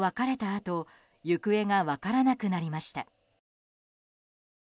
あと行方が分からなくなりました。